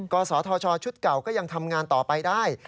ศธชชุดเก่าก็ยังทำงานต่อไปได้